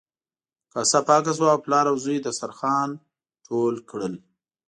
کاسه پاکه شوه او پلار او زوی دسترخوان ټول کړل.